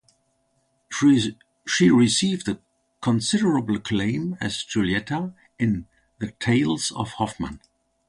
She received considerable acclaim as Giulietta in "The Tales of Hoffmann".